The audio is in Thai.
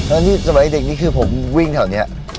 แล้วนี่สมัยเด็กนี้คือผมวิ่งแถวนี้